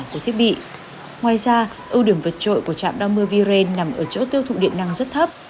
của thiết bị ngoài ra ưu điểm vượt trội của trạm đo mưa viren nằm ở chỗ tiêu thụ điện năng rất thấp